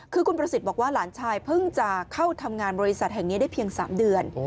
คือคุณประสิทธิ์บอกว่าหลานชายเพิ่งจะเข้าทำงานบริษัทแห่งนี้ได้เพียง๓เดือน